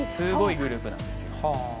すごいグループなんですよ。